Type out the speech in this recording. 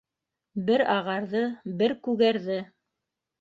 Бер ағарҙы, бер күгәрҙе.